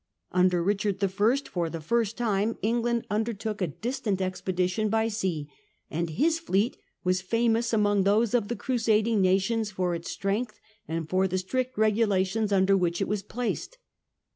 Under Richard I. fbr the first time England undertook a distant expedition by sea, and his fleet was famous among those of the Crusad ing nations for its strength, and for the strict r^ulations under which it was placed.